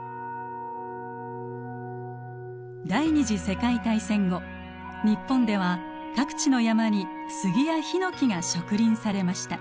第二次世界大戦後日本では各地の山にスギやヒノキが植林されました。